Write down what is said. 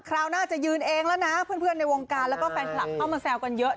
ราวหน้าจะยืนเองแล้วนะเพื่อนในวงการแล้วก็แฟนคลับเข้ามาแซวกันเยอะ